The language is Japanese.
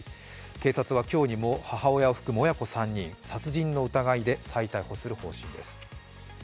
警察は今日にも母親を含む親子３人を殺人の疑いで再逮捕する方針です。